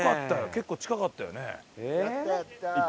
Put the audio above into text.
結構近かったよね。